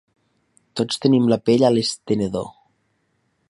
Tots tenim la pell a l'estenedor.